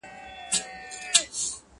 چېرته به د سوي میني زور وینو؛